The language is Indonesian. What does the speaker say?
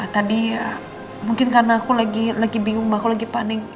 tadi ya mungkin karena aku lagi bingung aku lagi panik